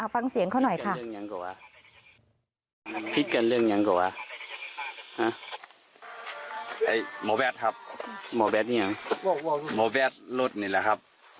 ฟังเสียงเขาหน่อยค่ะ